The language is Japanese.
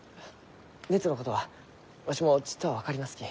熱のことはわしもちっとは分かりますき。